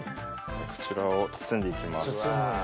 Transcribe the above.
こちらを包んで行きます。